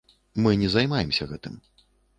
Мы не займаемся гэтым.